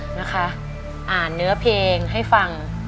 นะคะอ่านเนื้อเพลงให้ฟัง